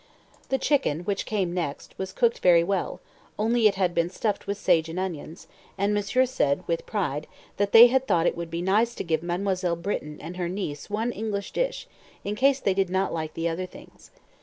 The chicken, which came next, was cooked very well, only it had been stuffed with sage and onions, and Monsieur said, with pride, that they had thought it would be nice to give Mademoiselle Britton and her niece one English dish, in case they did not like the other things!